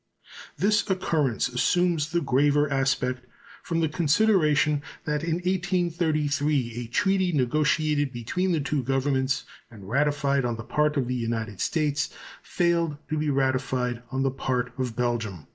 This occurrence assumes the graver aspect from the consideration that in 1833 a treaty negotiated between the two Governments and ratified on the part of the United States failed to be ratified on the part of Belgium.